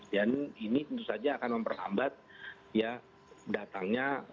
dan ini tentu saja akan memperlambat ya datangnya